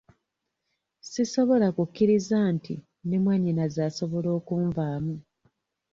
Sisobola kukkiriza nti ne mwannyinaze asobola okunvaamu.